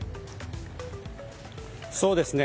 そうですね。